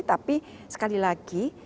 tapi sekali lagi